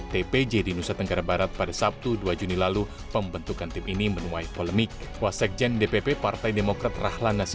tim pembela jokowi